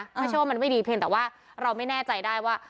ไม่ใช่ว่ามันไม่ดีเพียงแต่ว่าเราไม่แน่ใจได้ว่า